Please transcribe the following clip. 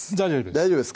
大丈夫です